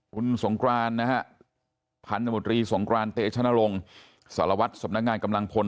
คุณผลพันธมดรีสงครารเตชนะรงสารวัติสำนักงานกำลังพล